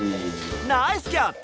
ナイスキャッチ！